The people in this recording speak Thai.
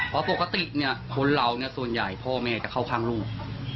เพราะปกติเนี่ยคนเราส่วนใหญ่พ่อแม่จะเข้าข้างลูก